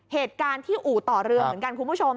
เหตุการณ์ที่อู่ต่อเรือเหมือนกันคุณผู้ชม